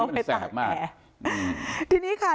เข้าไปเทะแอร์